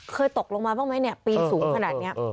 ตกลงมาบ้างไหมเนี่ยปีนสูงขนาดนี้